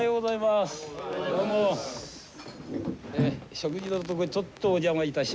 食事のところにちょっとお邪魔いたします